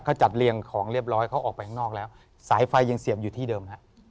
เขาจัดเรียงของเรียบร้อยเขาออกไปข้างนอกแล้วสายไฟยังเสี่ยมอยู่ที่เดิมฮะ